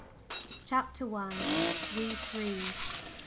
CHAPTER I. WE THREE.